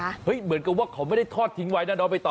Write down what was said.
เหมือนกับว่าเขาไม่ได้ทอดทิ้งไว้นะน้องไปต่อ